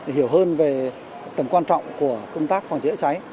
hiểu hơn về tầm quan trọng của công tác phòng cháy chữa cháy